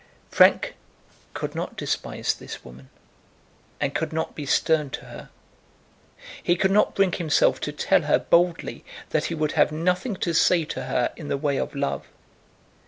Frank could not despise this woman, and could not be stern to her. He could not bring himself to tell her boldly that he would have nothing to say to her in the way of love.